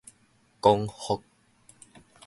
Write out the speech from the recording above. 光復